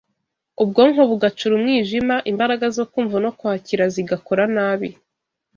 ubwonko bugacura umwijima, imbaraga zo kumva no kwakira zigakora nabi.